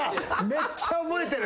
めっちゃ覚えてる。